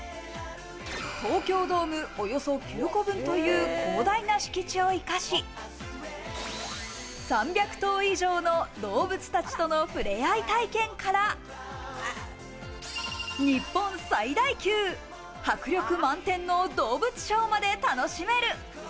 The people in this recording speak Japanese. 東京ドームおよそ９個分という広大な敷地を生かし、３００頭以上の動物たちとの触れ合い体験から、日本最大級、迫力満点の動物ショーまで楽しめる。